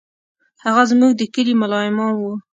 هغه زموږ د کلي ملا امام و.